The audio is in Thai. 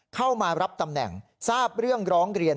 เข้ามารับตำแหน่งทราบเรื่องร้องเรียน